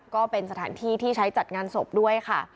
ก็เป็นสถานที่ที่ใช้จัดงานศพด้วยค่ะ